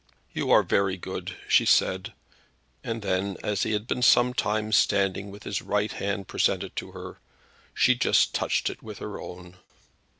"You are very good," she said; and then as he had been some time standing with his right hand presented to her, she just touched it with her own.